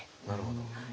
なるほど。